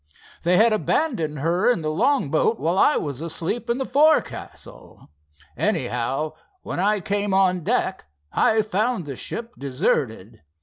They had abandoned her in the long boat while I was asleep in the forecastle. Anyhow, when I came on deck, I found the ship deserted.